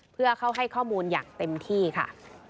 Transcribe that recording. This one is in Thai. เพื่อเข้าให้ข้อมูลอย่างเต็มที่ค่ะ